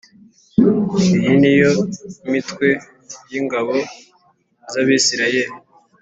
Iyi ni yo mitwe y ingabo z Abisirayeli